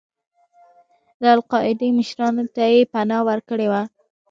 د القاعدې مشرانو ته یې پناه ورکړې وه.